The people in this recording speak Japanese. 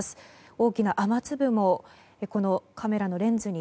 大きな雨粒もこのカメラのレンズに